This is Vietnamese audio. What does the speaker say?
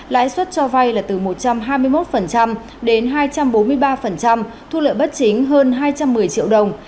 lãi suất cho vay là từ một trăm hai mươi một đến hai trăm bốn mươi ba thu lợi bất chính hơn hai trăm một mươi triệu đồng